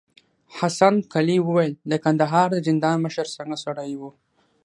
حسن قلي وويل: د کندهار د زندان مشر څنګه سړی و؟